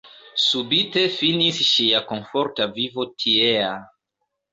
Subite finis ŝia komforta vivo tiea.